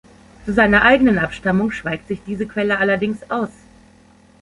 Zu seiner eigenen Abstammung schweigt sich diese Quelle allerdings aus.